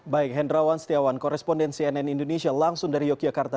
baik hendrawan setiawan koresponden cnn indonesia langsung dari yogyakarta